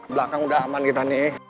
belakang udah aman kita nih